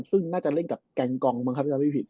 ซึ่งน่าจะเล่นกับแกงกองเหมือนกันครับถ้าไม่ผิด